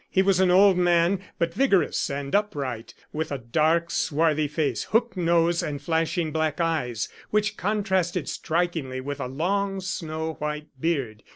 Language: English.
He was an old man, but vigorous and upright, with a dark swarthy face, hooked nose, and flashing black eyes, which contrasted strikingly with a long snow white beard.